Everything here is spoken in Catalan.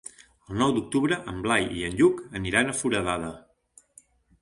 El nou d'octubre en Blai i en Lluc iran a Foradada.